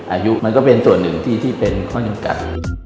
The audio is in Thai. อายุมันก็เป็นส่วนหนึ่งที่เป็นข้อจำกัด